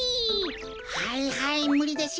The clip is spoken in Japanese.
はいはいむりですよね。